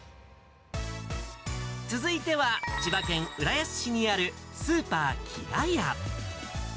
続いては、千葉県浦安市にあるスーパー木田屋。